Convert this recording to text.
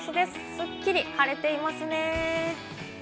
すっきり晴れていますね。